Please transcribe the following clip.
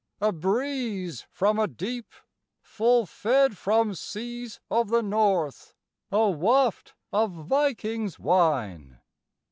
a breeze from a deep, Full fed from seas of the North, A waft of Vikings' wine!